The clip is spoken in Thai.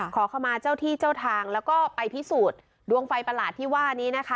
ขอเข้ามาเจ้าที่เจ้าทางแล้วก็ไปพิสูจน์ดวงไฟประหลาดที่ว่านี้นะคะ